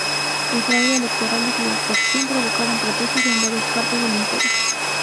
El fraude electoral y la coacción provocaron protestas en varias partes del Imperio.